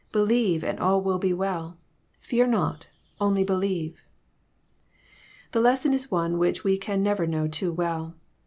Believe, and all will be well. Fear not : only believe." The lesson is one which we can never know too well.